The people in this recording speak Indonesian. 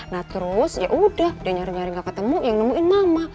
nah terus ya udah dia nyari nyari nggak ketemu yang nemuin mama